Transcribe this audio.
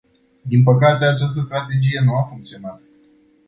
Din păcate, această strategie nu a funcționat.